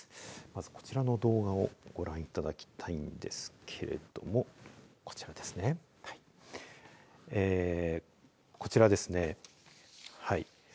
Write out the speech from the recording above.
まず、こちらの動画をご覧いただきたいんですけれどもこちらですね。